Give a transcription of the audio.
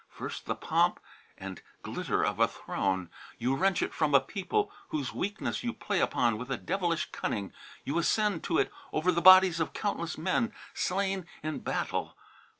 "First the pomp and glitter of a throne. You wrench it from a people whose weakness you play upon with a devilish cunning, you ascend to it over the bodies of countless men slain in battle.